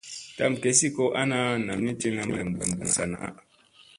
Tam gesi ko ana nam cini tilla bay ɓussa naa.